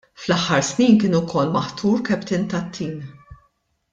Fl-aħħar snin kien ukoll maħtur captain tat-tim.